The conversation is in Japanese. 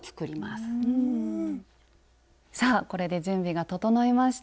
さあこれで準備が整いました。